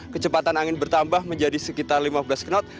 kecepatan angin bertambah menjadi sekitar lima belas knot